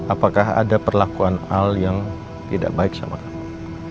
apakah ada perlakuan al yang tidak baik sama kamu